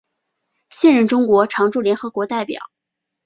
现任中国常驻联合国代表。